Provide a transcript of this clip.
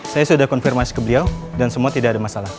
saya sudah konfirmasi ke beliau dan semua tidak ada masalah